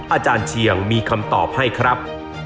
อาจารย์เชียงมีคำตอบให้ครับ